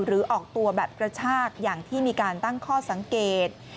ออกตัวแบบกระชากอย่างที่มีการตั้งข้อสังเกต